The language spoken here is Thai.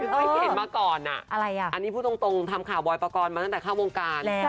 เคยเห็นมาก่อนอันนี้พูดตรงทำข่าวบอยปกรณ์มาตั้งแต่เข้าวงการแล้ว